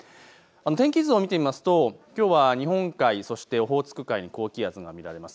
天気図を見てみますときょうは日本海、そしてオホーツク海に高気圧が見られます。